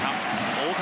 大谷！